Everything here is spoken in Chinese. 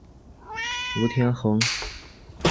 吴天垣。